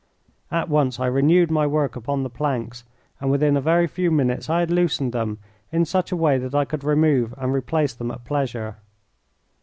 At once I renewed my work upon the planks, and within a very few minutes I had loosened them in such a way that I could remove and replace them at pleasure.